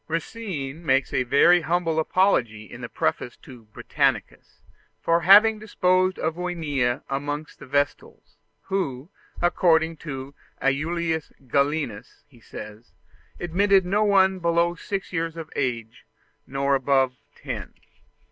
Racine makes a very humble apology in the preface to the "Britannicus" for having disposed of Junia amongst the Vestals, who, according to Aulus Gellius, he says, "admitted no one below six years of age nor above ten."